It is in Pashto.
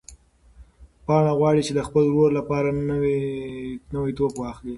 پاڼه غواړي چې د خپل ورور لپاره نوی توپ واخلي.